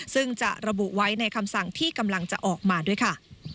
ซึ่งจะระบุไว้ในคำสั่งที่กำลังจะออกมาด้วยค่ะ